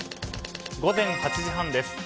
午前８時半です。